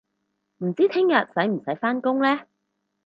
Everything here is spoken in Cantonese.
唔知聽日使唔使返工呢